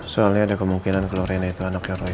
soalnya ada kemungkinan kalau rena itu anaknya roy